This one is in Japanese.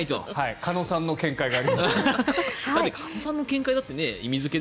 鹿野さんの見解がありますので。